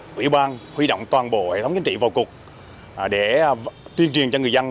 quỹ ban huy động toàn bộ hệ thống chính trị vào cuộc để tuyên truyền cho người dân